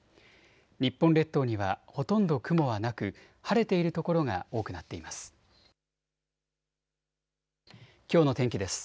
日本列島にはほとんど雲はなく晴れている所が多くなっています。